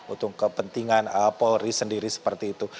untuk kepentingan polri sendiri seperti itu